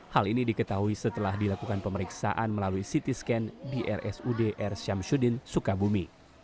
hal ini diketahui setelah dilakukan pemeriksaan melalui ct scan di rsudr syamsudin sukabumi